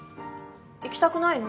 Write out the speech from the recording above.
行きたくないの？